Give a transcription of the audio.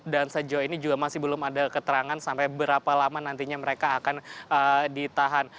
dan sejauh ini juga masih belum ada keterangan sampai berapa lama nantinya mereka akan ditahan